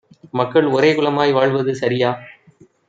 மக்கள் ஒரேகுலமாய் வாழ்வது சரியா?